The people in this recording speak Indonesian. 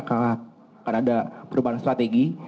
akan ada perubahan strategi